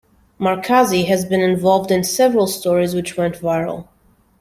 Markazi has been involved in several stories which went viral.